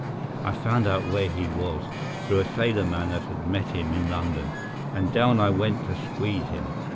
I found out where he was through a sailor man that had met him in London, and down I went to squeeze him.